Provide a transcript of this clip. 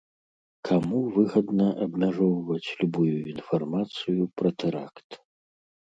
Каму выгадна абмяжоўваць любую інфармацыю пра тэракт?